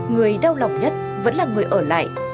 người đau lòng nhất vẫn là người ở lại